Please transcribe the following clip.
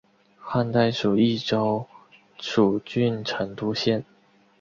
汉代属益州蜀郡成都县。